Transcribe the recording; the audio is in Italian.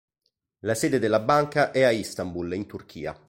La sede della Banca è a Istanbul in Turchia.